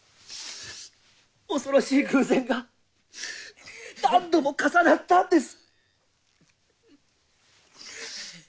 恐ろしい偶然が何度も重なったんです。